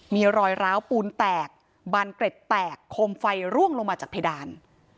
มีรอยร้าวปูนแตกบานเกร็ดแตกโคมไฟร่วงลงมาจากเพดาน